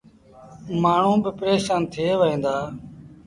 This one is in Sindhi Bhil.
مآڻهوٚݩ با پريشآن ٿئي وهيݩ دآ۔